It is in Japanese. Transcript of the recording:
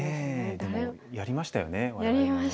でもやりましたよね